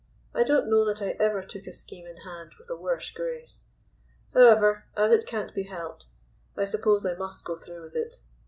I don't know that I ever took a scheme in hand with a worse grace. However, as it can't be helped, I suppose I must go through with it.